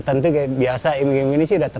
yang tidak memiliki garasi